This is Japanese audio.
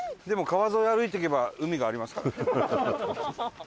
でも川沿い歩いていけば海がありますから。